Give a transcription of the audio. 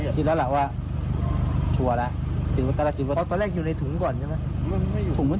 พี่ตำรวจ๒คนเขาก็เลยบอกว่า